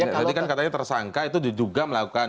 tadi kan katanya tersangka itu diduga melakukan